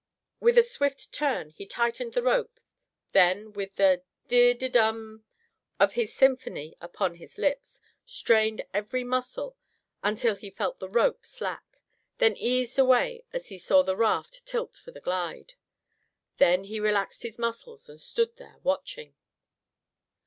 With a swift turn he tightened the rope, then with the "de—de—dum" of his symphony upon his lips, strained every muscle until he felt the rope slack, then eased away as he saw the raft tilt for the glide. Then he relaxed his muscles and stood there watching.